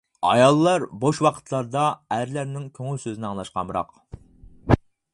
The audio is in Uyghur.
ئاياللار بوش ۋاقىتلاردا ئەرلەرنىڭ كۆڭۈل سۆزىنى ئاڭلاشقا ئامراق.